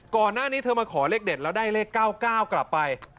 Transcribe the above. ก่อนหน้านี้เธอมาขอเลขเด็ดแล้วได้เลข๙๙กลับไป